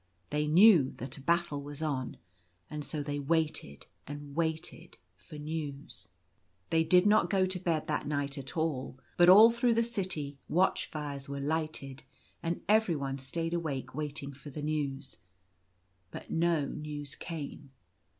They knew that a battle was on ; and so they waited and waited for news^ The Widow goes in quest. 2$ They did not go to bed that night at all; but all through the city watch fires were lighted and everyone stayed awake waiting for the news. But no news came.